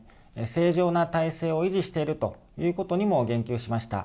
正常な体制を維持しているということにも言及しました。